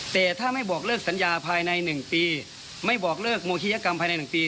แต่ถ้าไม่บอกเลิกสัญญาภายใน๑ปีไม่บอกเลิกโมชิยกรรมภายใน๑ปี